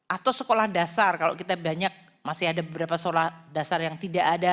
atau sekolah dasar kalau kita banyak masih ada beberapa sekolah dasar yang tidak ada